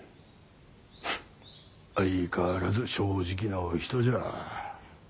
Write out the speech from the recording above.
相変わらず正直なお人じゃ。